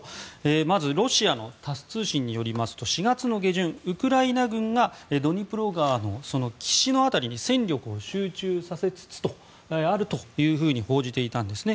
まずロシアのタス通信によりますと４月下旬、ウクライナ軍がドニプロ川の岸の辺りに戦力を集中させつつあると報じていたんです。